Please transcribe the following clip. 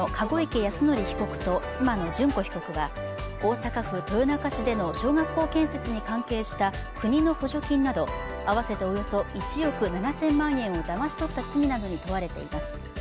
泰典被告と妻の諄子被告は大阪府豊中市での小学校建設に関係した国の補助金など、合わせておよそ１億７０００万円をだまし取った罪などに問われています。